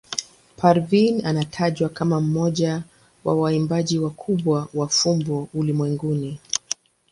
Parveen anatajwa kama mmoja wa waimbaji wakubwa wa fumbo ulimwenguni.